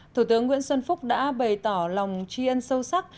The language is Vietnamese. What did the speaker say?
thủ tướng nguyễn xuân phúc đã bày tỏ lòng chi ân sâu sắc